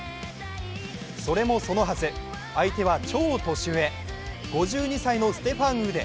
それもそのはず、相手は超年上５２歳のステファン・ウデ。